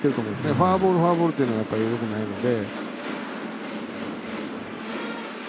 フォアボール、フォアボールあまりいいことないので。